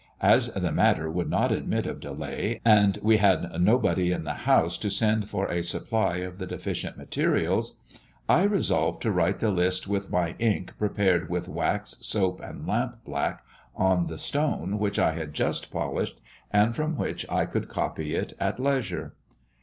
As the matter would not admit of delay, and we had nobody in the house to send for a supply of the deficient materials, I resolved to write the list with my ink prepared with wax, soap, and lamp black, on the stone which I had just polished, and from which I could copy it at leisure."